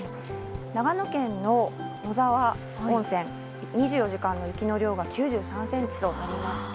長野県の野沢温泉、２４時間の雪の量が９３センチとなりました。